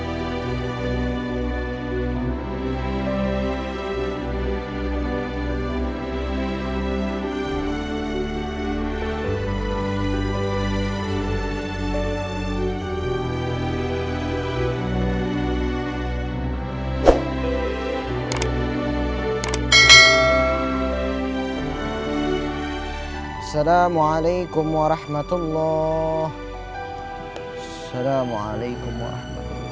assalamualaikum warahmatullahi wabarakatuh